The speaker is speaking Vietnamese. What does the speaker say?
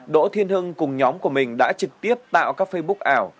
đỗ thiên hưng cùng nhóm của mình đã trực tiếp tạo các facebook ảo